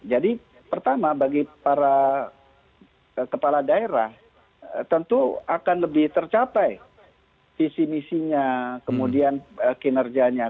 jadi pertama bagi para kepala daerah tentu akan lebih tercapai visi visinya kemudian kinerjanya